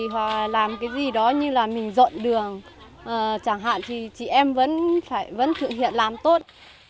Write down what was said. hoặc làm cái gì đó như là mình dọn đường chẳng hạn thì chị em vẫn thực hiện làm tốt